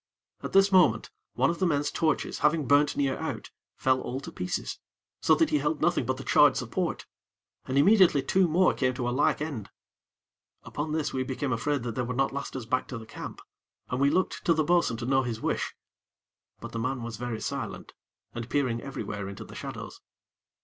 At this moment, one of the men's torches, having burnt near out, fell all to pieces, so that he held nothing but the charred support, and immediately two more came to a like end. Upon this, we became afraid that they would not last us back to the camp, and we looked to the bo'sun to know his wish; but the man was very silent, and peering everywhere into the shadows.